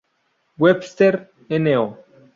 Webster No.